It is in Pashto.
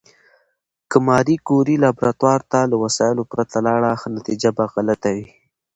که ماري کوري لابراتوار ته له وسایلو پرته لاړه، نتیجه به غلطه وي.